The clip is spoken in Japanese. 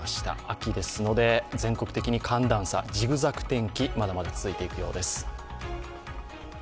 秋ですので、全国的に寒暖差ジグザグ天気まだまだ続いていくようです。